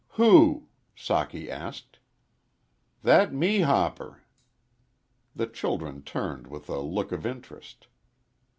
"Who?" Socky asked. "That mehopper." The children turned with a look of interest.